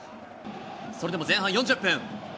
それでも前半４０分。